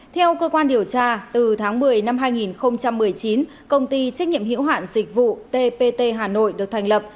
theo cơ quan điều tra từ tháng một mươi năm hai nghìn một mươi chín công ty trách nhiệm hiểu hạn dịch vụ tpt hà nội được thành lập